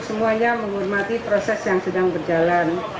semuanya menghormati proses yang sedang berjalan